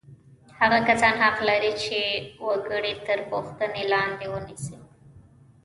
هغه کسان حق لري چې وګړي تر پوښتنې لاندې ونیسي.